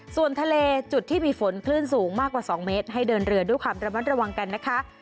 ส่วนทะเลจุดที่มีฝนคลื่นสูงมากกว่า๒เมตรให้เดินเรือด้วยความระมัดระวังกันนะคะ